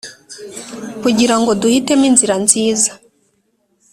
kugirango duhitemo inzira nziza